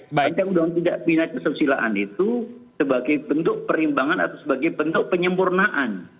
rancangan undang undang tindak pidana kesusilaan itu sebagai bentuk perimbangan atau sebagai bentuk penyempurnaan